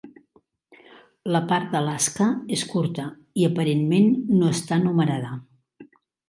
La part d'Alaska és curta, i aparentment no està numerada.